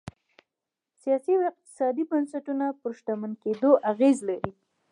سیاسي او اقتصادي بنسټونه پر شتمن کېدو اغېز لري.